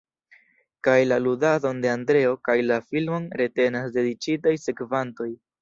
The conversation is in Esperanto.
Kaj la ludadon de Andreo kaj la filmon retenas dediĉitaj sekvantoj.